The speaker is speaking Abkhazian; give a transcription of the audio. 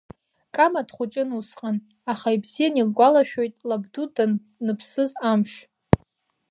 Кама дхәыҷын усҟан, аха ибзиан илгәалашәоит лабду даныԥсыз амш.